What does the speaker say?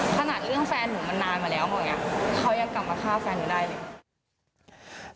ขนาดเรื่องแฟนหนูมันนานมาแล้วหมดไงเขายังกลับมาฆ่าแฟนหนูได้เลย